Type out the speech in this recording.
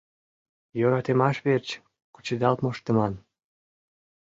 — Йӧратымаш верч кучедал моштыман.